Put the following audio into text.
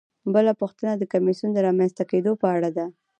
بله پوښتنه د کمیسیون د رامنځته کیدو په اړه ده.